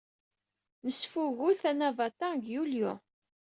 Nesfugul Tanabata deg yulyu.